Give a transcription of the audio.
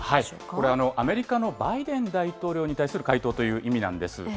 これ、アメリカのバイデン大統領に対する回答という意味なんです。